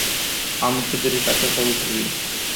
Am încredere că așa stau lucrurile.